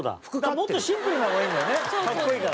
もっとシンプルなのがいいんだよね格好いいから。